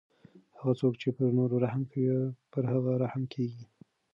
هغه څوک چې پر نورو رحم کوي پر هغه رحم کیږي.